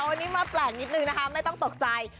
วันนี้มาแปลกนิดนึงนะคะไม่ต้องตกใจ